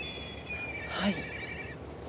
はい。